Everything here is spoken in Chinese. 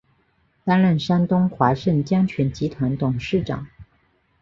担任山东华盛江泉集团董事长。